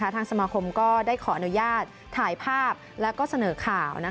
ทางสมาคมก็ได้ขออนุญาตถ่ายภาพและเสนอข่าว